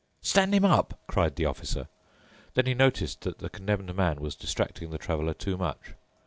"Stand him up," cried the Officer. Then he noticed that the Condemned Man was distracting the Traveler too much.